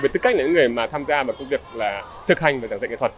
với tư cách là những người mà tham gia vào công việc là thực hành và giảng dạy nghệ thuật